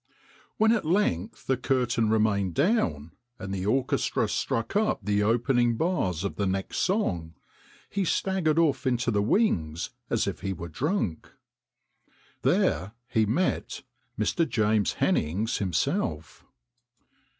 When at length the curtain remained down, and the orchestra struck up the opening bars of the next song, he staggered off into the wings as if he were drunk. There he met Mr. James Hennings himself.